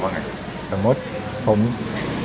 หมายความว่าไง